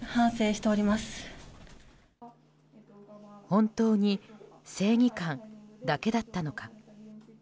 本当に正義感だけだったのか。